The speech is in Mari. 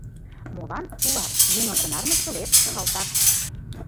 — Молан, тулар, еҥым тынар мыскылет, калтак?